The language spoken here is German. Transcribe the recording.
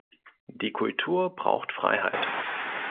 Die Kultur braucht Freiheit.